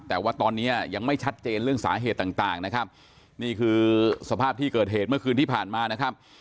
แต่ว่าตอนนี้ยังไม่ชัดเจนเรื่องสาเหตุต่างต่างนะครับนี่คือสภาพที่เกิดเหตุเมื่อคืนที่ผ่านมานะครับ